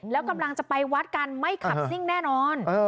แล้วกำลังจะไปวัดกันไม่ขับซิ่งแน่นอน